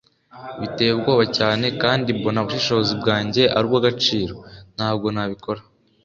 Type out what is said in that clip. biteye ubwoba cyane kandi mbona ubushishozi bwanjye ari ubw'agaciro. ntabwo nabikora